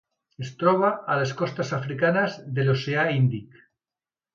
Es troba a les costes africanes de l'Oceà Índic.